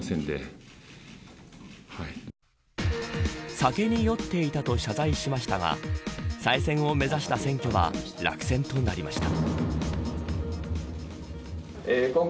酒に酔っていたと謝罪しましたが再選を目指した選挙は落選となりました。